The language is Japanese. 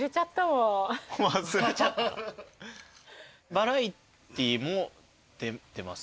バラエティーも出てます。